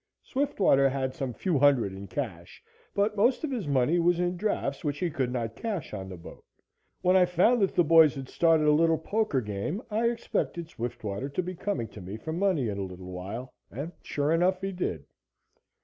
Swiftwater had some few hundred in cash, but most of his money was in drafts, which he could not cash on the boat. When I found that the boys had started a little poker game, I expected Swiftwater to be coming to me for money in a little while, and sure enough he did.